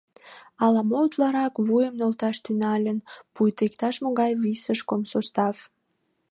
Ала-мо утларак вуйым нӧлташ тӱҥалын, пуйто иктаж-могай высший комсостав.